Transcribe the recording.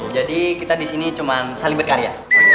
jadi kita di sini cuma saling berkarya